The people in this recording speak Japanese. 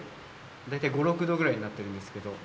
大体５６度ぐらいになってるんですけど。